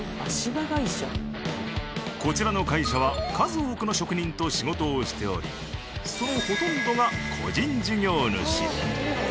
こちらの会社は数多くの職人と仕事をしておりそのほとんどが個人事業主。